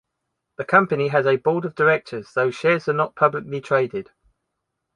The company has a Board of Directors though shares are not publicly traded.